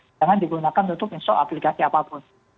jangan digunakan untuk install aplikasi apapun